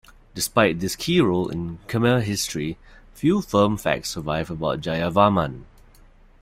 Despite this key role in Khmer history, few firm facts survive about Jayavarman.